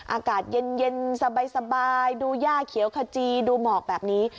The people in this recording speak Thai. อากาศเย็นสบายดูย่าเขียวขจีดูหมอกแบบนี้